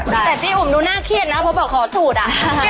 แต่พี่อุ๋มดูน่าเครียดนะเพราะแบบขอสูตรอะ